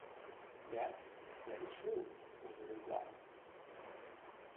"Yes, that is true," was the reply.